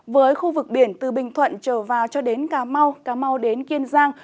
với khu vực biển từ bình thuận trở vào cho đến cà mau cà mau đến kiên giang